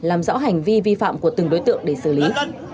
làm rõ hành vi vi phạm của từng đối tượng để xử lý